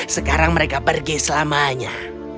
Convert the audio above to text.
sekarang mereka pergi selamanya